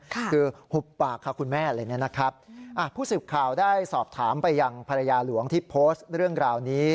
คือหุบปากค่ะคุณแม่อะไรเนี่ยนะครับอ่าผู้สื่อข่าวได้สอบถามไปยังภรรยาหลวงที่โพสต์เรื่องราวนี้